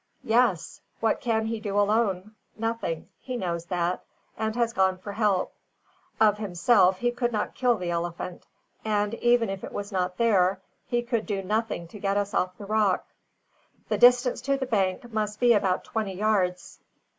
"Yes. What can he do alone? Nothing. He knows that, and has gone for help. Of himself, he could not kill the elephant; and even if it was not there, he could do nothing to get us off the rock." "The distance to the bank must be about twenty yards.